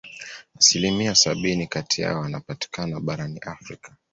Asilimia sabini kati yao wanapatikana barani Afrika